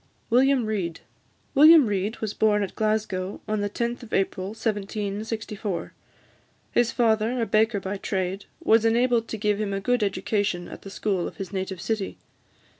WILLIAM REID. William Reid was born at Glasgow on the 10th of April 1764. His father, a baker by trade, was enabled to give him a good education at the school of his native city.